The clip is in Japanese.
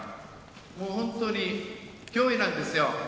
もう本当に脅威なんですよ。